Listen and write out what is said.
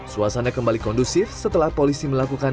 suasana kembali kondusif setelah polisi melakukan